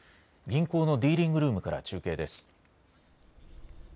銀行のディーリングルームから中継です。